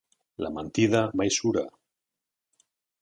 La mentida mai sura.